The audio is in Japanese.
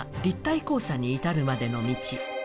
立体交差に至るまでの道